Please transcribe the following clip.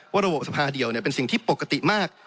ระบบสภาเดียวเป็นสิ่งที่ปกติมาก